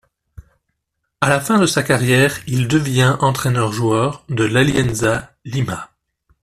À la fin de sa carrière il devient entraîneur-joueur de l'Alianza Lima.